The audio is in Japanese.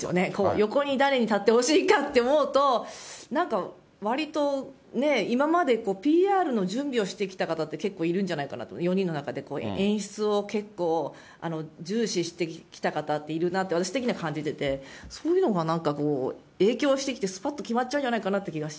横に誰に立ってほしいかって思うと、なんか、わりとね、今までＰＲの準備をしてきた方って結構いるんじゃないかなと、４人の中で、演出を結構重視してきた方っているなって、私的には感じてて、そういうのがなんかこう、影響してきてすぱっと決まっちゃうんじゃないかなっていう気がし